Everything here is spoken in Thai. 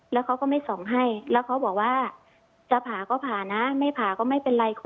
แล้วเขาก็ไม่ส่งให้แล้วเขาบอกว่าจะผ่าก็ผ่านะไม่ผ่าก็ไม่เป็นไร